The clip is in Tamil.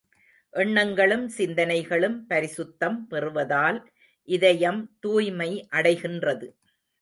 எண்ணங்களும், சிந்தனைகளும் பரிசுத்தம் பெறுவதால் இதயம் தூய்மை அடைகின்றது.